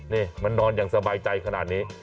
นี่มันนอนอย่างสบายใจขนาดนี้